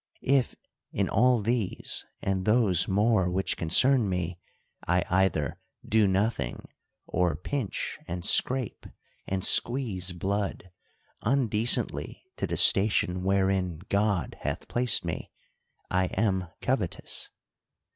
If in all these, and those more which concern me, I either do nothing, or pinch, and scrape, and squeeze blood, un 58 THE COUNTRY PARSON. decently to the station wherein God hath placed me, I am covetous.